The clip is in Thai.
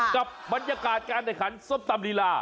กับบรรยากาศการแข่งขันส้มตำลีลา